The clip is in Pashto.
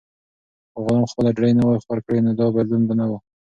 که غلام خپله ډوډۍ نه وای ورکړې، نو دا بدلون به نه و.